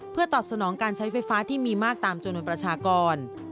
เพื่อตอบสนองการใช้ไฟฟ้าที่มีมากตามจำนวนประชากร